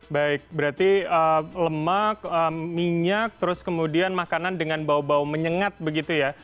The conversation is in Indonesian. baik berarti lemak minyak terus kemudian makanan dengan bau bau menyengat begitu ya